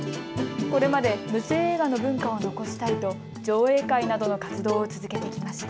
これまで無声映画の文化を残したいと上映会などの活動を続けてきました。